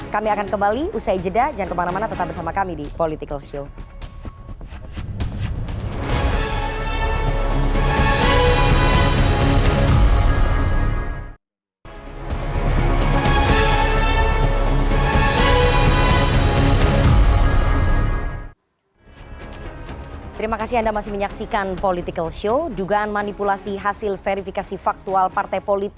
kami akan kembali usai jeda jangan kemana mana tetap bersama kami di political show